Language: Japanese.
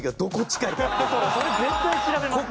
それ絶対調べますね。